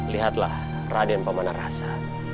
lihatlah raden pamanarasa